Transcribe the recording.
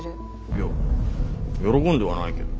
いや喜んではないけど。